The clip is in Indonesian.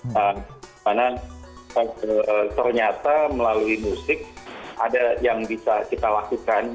karena ternyata melalui musik ada yang bisa kita lakukan